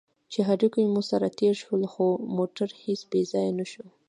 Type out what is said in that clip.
چې هډوکي مو سره تېر شول، خو موټر هېڅ بې ځایه نه شو.